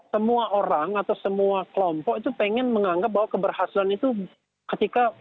semua orang atau semua kelompok itu pengen menganggap bahwa keberhasilan itu ketika